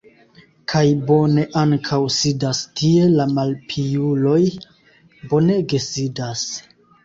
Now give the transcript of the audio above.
Kaj bone ankaŭ sidas tie la malpiuloj, bonege sidas!